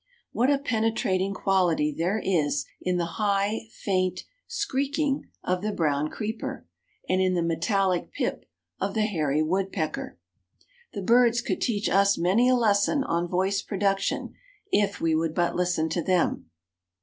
What a penetrating quality there is in the high, faint "skreeking" of the brown creeper, and in the metallic "pip" of the hairy woodpecker. The birds could teach us many a lesson on "voice production," if we would but listen to them.